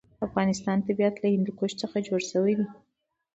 د افغانستان طبیعت له هندوکش څخه جوړ شوی دی.